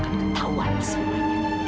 akan ketahuan semuanya